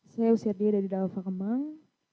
saya usir dia dari the alpha kemang